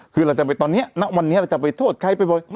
คือเราจะไปตอนนี้ณวันนี้เราจะไปโทษใครไปบอก